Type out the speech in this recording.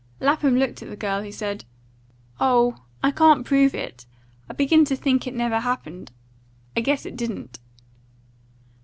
Lapham looked at the girl, who said, "Oh, I can't prove it! I begin to think it never happened. I guess it didn't."